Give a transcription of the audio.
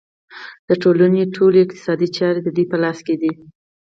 د ټولنې ټولې اقتصادي چارې د دوی په لاس کې دي